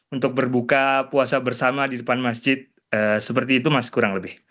untuk berbuka puasa bersama di depan masjid seperti itu mas kurang lebih